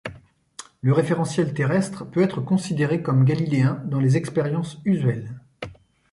Le référentiel terrestre peut être considéré comme galiléen dans les expériences usuelles.